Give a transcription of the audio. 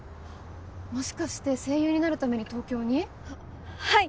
もしかして声優になるために東京に？ははい！